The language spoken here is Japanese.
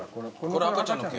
これ赤ちゃんの毛？